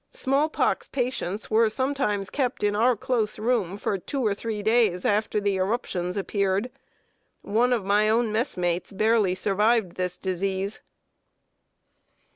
Small pox patients were sometimes kept in our close room for two or three days after the eruptions appeared. One of my own messmates barely survived this disease.